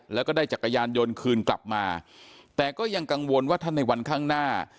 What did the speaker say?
แล้วก็ได้จักรยานยนต์คืนกลับมาแต่ก็ยังกังวลว่าถ้าในวันข้างหน้า